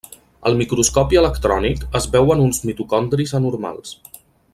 Al microscopi electrònic es veuen uns mitocondris anormals.